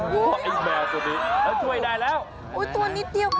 ว้าวไอ้แมวคนนี้ช่วยได้แล้วอุ๊ยตัวนิดเดียว